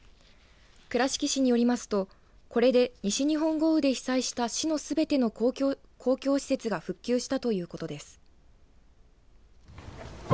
倉敷市によりますとこれで西日本豪雨で被災した市のすべての公共施設が復旧したということです。